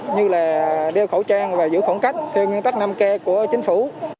như là đeo khẩu trang và giữ khoảng cách theo nguyên tắc năm k của chính phủ